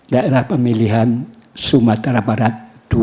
daerah pemilihan sumatera barat dua